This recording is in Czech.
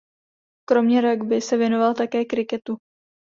Kromě ragby se věnoval také kriketu.